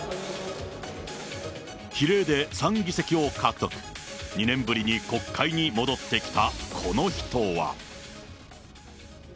比例で３議席を獲得、２年ぶりに国会に戻ってきたこの人は。